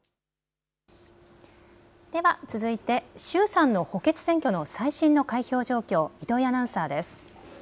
では続いて衆参の補欠選挙の最新の開票状況、糸井アナウンサーです。